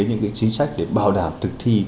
những chính sách để bảo đảm thực thi